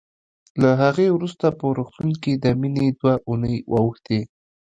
له هغې وروسته په روغتون کې د مينې دوه اوونۍ واوښتې